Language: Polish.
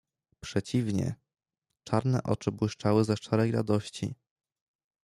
"Przeciwnie, czarne oczy błyszczały ze szczerej radości."